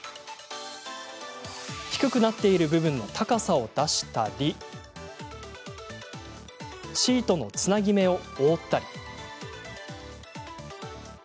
低くなっている部分の高さを出したりシートのつなぎ目を覆ったり。